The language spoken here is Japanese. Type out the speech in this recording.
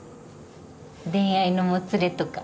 恋愛のもつれとか？